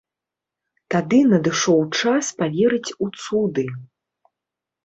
Тады надышоў час паверыць у цуды.